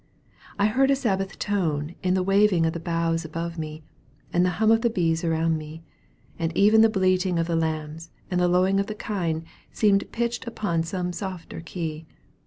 I heard a Sabbath tone in the waving of the boughs above me, and the hum of the bees around me, and even the bleating of the lambs and the lowing of the kine seemed pitched upon some softer key.